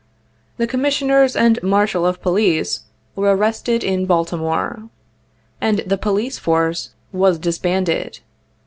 The Commis sioners and Marshal of Police were arrested in Baltimore, and the Police force was disbanded.